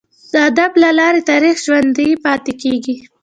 د ادب له لاري تاریخ ژوندي پاته کیږي.